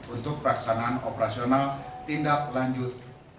untuk pelaksanaan operasional tindak lanjut